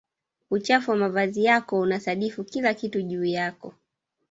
uchafu wa mavazi yako unasadifu kila kitu juu yako